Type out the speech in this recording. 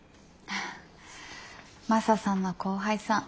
マサさんの後輩さん